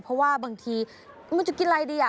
เพราะว่าบางทีมันจะกินอะไรดี